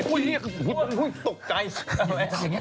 อุ๊ยตกไกล